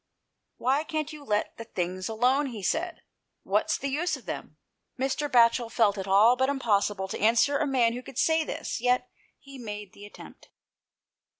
" Why can't you let the things alone ?" he said, " what's the use of them ?" Mr. Batchel felt it all but impossible to answer a man who could say this; yet he made the attempt.